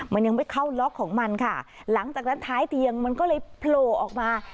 มันยังไม่เข้าล็อกของมันค่ะหลังจากนั้นท้ายเตียงมันก็เลยโผล่ออกมา